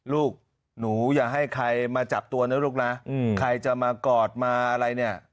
ลูกหนูอย่าให้ใครมาจับตัวนะลูกนะใครจะมากอดมาอะไรเนี่ย